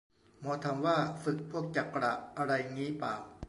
หมอถามว่าฝึกพวกจักระอะไรงี้ป่าว